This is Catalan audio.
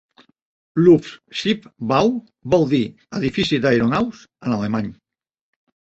'Luftschiffbau' vol dir "edifici d'aeronaus" en alemany.